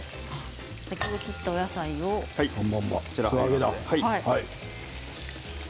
先ほど切ったお野菜ですね。